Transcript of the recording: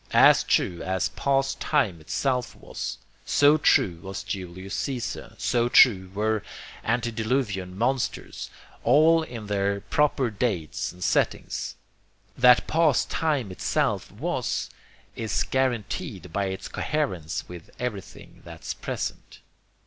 AS TRUE AS PAST TIME ITSELF WAS, so true was Julius Caesar, so true were antediluvian monsters, all in their proper dates and settings. That past time itself was, is guaranteed by its coherence with everything that's present.